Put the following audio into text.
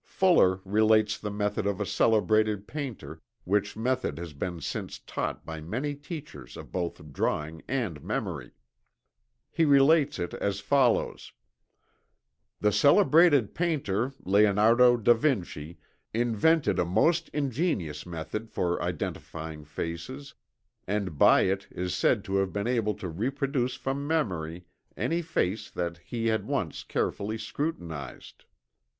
Fuller relates the method of a celebrated painter, which method has been since taught by many teachers of both drawing and memory. He relates it as follows: "The celebrated painter Leonardo da Vinci invented a most ingenious method for identifying faces, and by it is said to have been able to reproduce from memory any face that he had once carefully scrutinized.